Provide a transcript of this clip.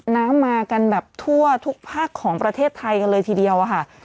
น้ำมากันแบบทั่วทุกภาคของประเทศไทยกันเลยทีเดียวอะค่ะ